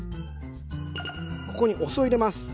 ここにお酢を入れます。